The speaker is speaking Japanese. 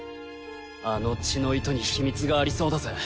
あの血の糸に秘密がありそうだぜ。